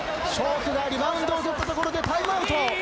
北がリバウンドをとったところでタイムアウト。